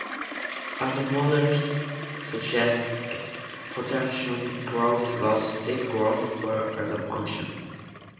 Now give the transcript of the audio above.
Other models suggest exponential growth, logistic growth, or other functions.